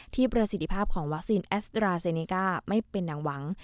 ประสิทธิภาพของวัคซีนแอสตราเซเนก้าไม่เป็นหนังหวัง